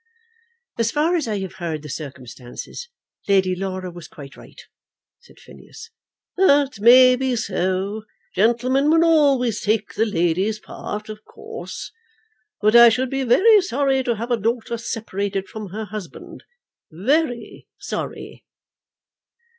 "As far as I have heard the circumstances, Lady Laura was quite right," said Phineas. "It may be so. Gentlemen will always take the lady's part, of course. But I should be very sorry to have a daughter separated from her husband, very sorry."